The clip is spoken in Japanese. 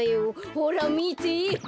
ほらみて。